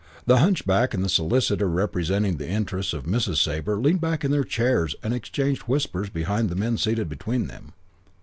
The hunchback and the solicitor representing the interests of Mrs. Sabre leaned back in their chairs and exchanged whispers behind the men seated between them.